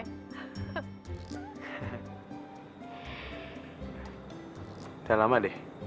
jangan lama deh